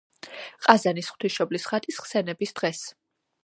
ყაზანის ღვთისმშობლის ხატის ხსენების დღეს.